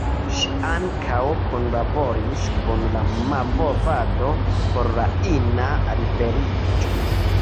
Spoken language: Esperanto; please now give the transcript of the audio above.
Ŝi ankaŭ kunlaboris kun la movado por la ina liberiĝo.